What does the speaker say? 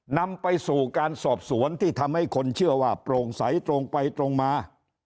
นำไปสู่การสอบสวนที่ทำให้คนเชื่อว่าโปร่งใสตรงไปตรงมา